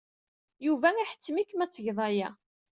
Yuba iḥettem-ikem ad tgeḍ aya.